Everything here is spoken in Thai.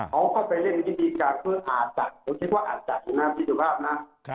เขาก็ไปเรียนวิธีการเพื่ออาจจัดผมคิดว่าอาจจัดอยู่น้ำที่สุภาพนะ